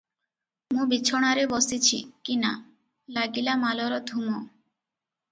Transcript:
ମୁଁ ବିଛଣାରେ ବସିଛି କି ନା, ଲାଗିଲା ମାଲର ଧୂମ ।